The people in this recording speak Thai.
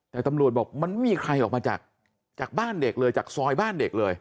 แต่ตำรวจบอกมันไม่มีใครออกมาจากบ้านเด็กเลยจากซอยบ้านเด็กเลย